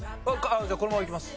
じゃあこのままいきます。